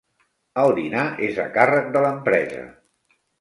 El dinar és a càrrec de l'empresa.